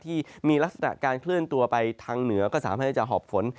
ที่มีลักษณะการเคลื่อนตัวไปทางเหนือก็สามารถที่จะหอบฝน